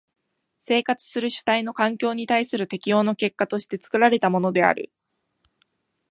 生活する主体の環境に対する適応の結果として作られたものである。